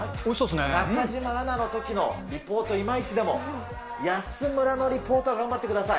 中島アナのときのリポートいまいちでも、安村のリポートは頑張ってください。